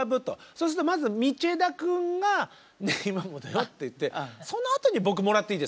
そうするとまず道枝くんが「ねぇ、今もだよ」って言ってそのあとに僕もらっていいですか？